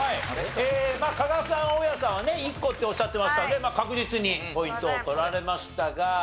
まあ加賀さん大家さんはね１個っておっしゃってましたので確実にポイントを取られましたが。